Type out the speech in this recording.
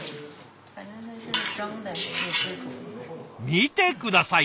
見て下さい。